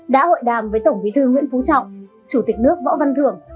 đã hội đàm với tổng bí thư nguyễn phú trọng chủ tịch nước võ văn thưởng